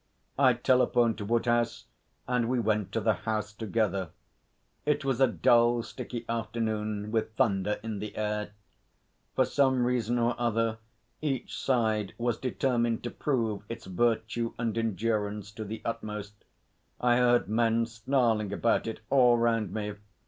I telephoned to Woodhouse, and we went to the House together. It was a dull, sticky afternoon with thunder in the air. For some reason or other, each side was determined to prove its virtue and endurance to the utmost. I heard men snarling about it all round me.